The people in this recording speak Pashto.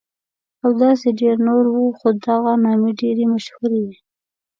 او داسې ډېر نور وو، خو دغه نامې ډېرې مشهورې وې.